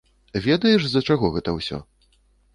Ведаеш, з-за чаго гэта ўсё?